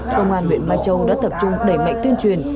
công an huyện mai châu đã tập trung đẩy mạnh tuyên truyền